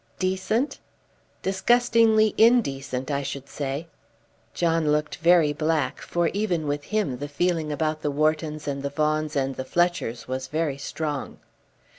"Decent?" "Disgustingly indecent, I should say." John looked very black, for even with him the feeling about the Whartons and the Vaughans and the Fletchers was very strong.